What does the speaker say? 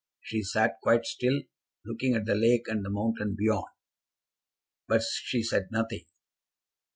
She sat quite still, looking at the lake and the mountain beyond, but she said nothing.